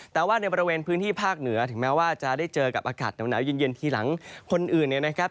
แต่ว่าในบริเวณพื้นที่ภาคเหนือถึงแม้ว่าจะได้เจอกับอากาศหนาวเย็นทีหลังคนอื่นเนี่ยนะครับ